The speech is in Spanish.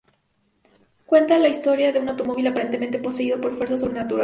Cuenta la historia de un automóvil aparentemente poseído por fuerzas sobrenaturales.